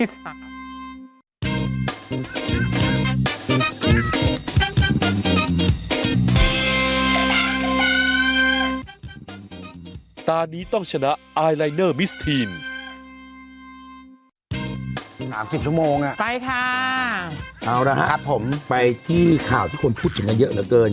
๓๐ชั่วโมงน่ะไปค่ะครับผมไปที่ข่าวที่คนพูดอย่างเยอะเหลือเกิน